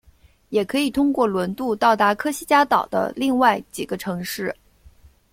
也可以通过轮渡到达科西嘉岛的另外几个城市。